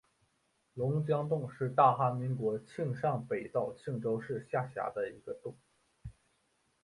龙江洞是大韩民国庆尚北道庆州市下辖的一个洞。